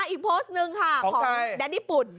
อีกโพสต์หนึ่งค่ะของแดนญี่ปุ่น